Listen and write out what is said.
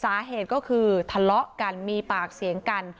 สาเหตุก็คือทะเลาะกันมีปากเสียงกัน